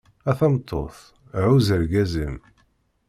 A tameṭṭut, ɛuzz argaz-im.